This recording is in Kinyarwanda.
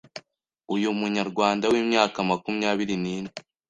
uyu Munyarwanda w’imyaka makumyabiri nine